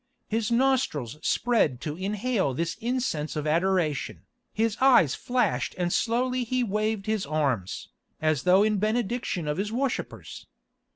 His nostrils spread to inhale this incense of adoration, his eyes flashed and slowly he waved his arms, as though in benediction of his worshippers.